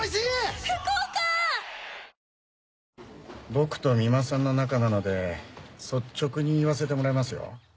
僕と三馬さんの仲なので率直に言わせてもらいますよ。